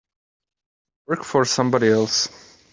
Work for somebody else.